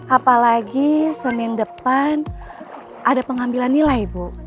apalagi senin depan ada pengambilan nilai bu